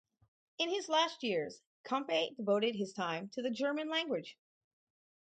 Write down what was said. In his last years, Campe devoted his time to the German language.